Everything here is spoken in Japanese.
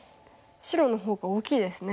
白のほうが大きいですね。